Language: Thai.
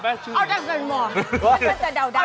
มันก็จะดาว